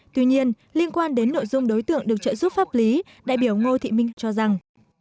tuy nhiên liên quan đến nội dung đối tượng được trợ giúp pháp lý đại biểu ngô thị minh cho rằng